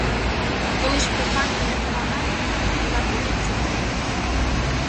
Коли ж прохання не помагають, вона вдається до погроз.